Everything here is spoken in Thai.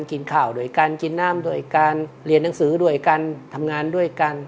กินข่าวโดยกันกินน่ามโดยกันเรียนหนังสือโดยกันทำงานด้วยกัน